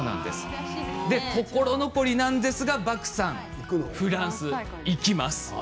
心残りなんですがバクさんフランス、行きます。